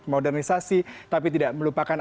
modernisasi tapi tidak melupakan